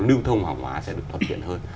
lưu thông hàng hóa sẽ được thuận tiện hơn